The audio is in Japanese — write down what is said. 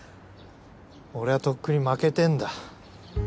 俺はとっくに負けてんだ。